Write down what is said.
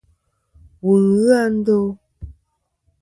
Wù n-ghɨ a ndo.